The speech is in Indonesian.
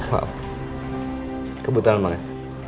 wow kebutuhan banget